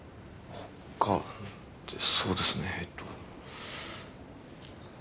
他そうですねえっと。